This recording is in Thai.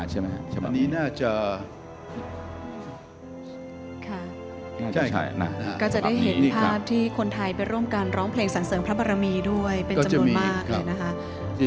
ใช่ไหมก็จะได้เห็นภาพที่คนไทยไปร่วมกันร้องเพลงสรรเสริมพระบรมีด้วยเป็นจำนวนมากเลยนะคะ